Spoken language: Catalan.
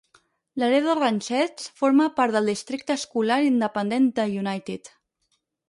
Laredo Ranchettes forma part del districte escolar independent de United.